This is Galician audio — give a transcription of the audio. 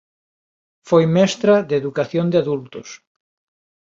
Foi mestra de educación de adultos.